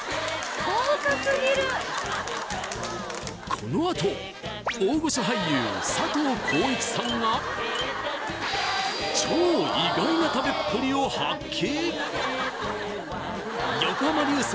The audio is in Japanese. このあと大御所俳優佐藤浩市さんが超意外な食べっぷりを発揮